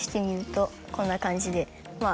こんな感じでまぁ。